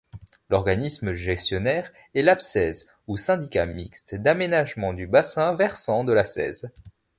L'organisme gestionnaire est l'abCèze ou Syndicat mixte d'Aménagement du Bassin versant de la Cèze.